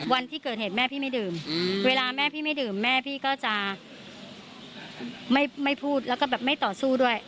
เวลาแม่พี่ไม่ดื่มแม่พี่ก็จะไม่พูดแล้วก็แบบไม่ต่อสู้ด้วย